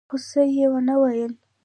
خو څه يې ونه ويل.